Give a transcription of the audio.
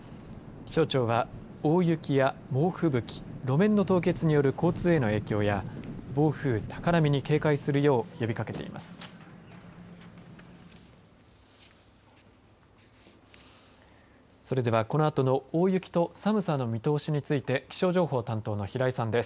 気象庁は大雪や猛吹雪路面の凍結による交通への影響や暴風、高波に警戒するよう呼びかけています。